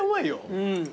うん。